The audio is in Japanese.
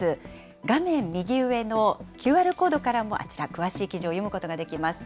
画面右上のＱＲコードからも、あちら、詳しい記事を読むことができます。